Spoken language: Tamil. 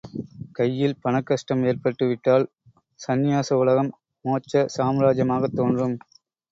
கையில் பணக்கஷ்டம் ஏற்பட்டு விட்டால், சந்நியாச உலகம் மோட்ச சாம்ராஜ்யமாகத் தோன்றும்.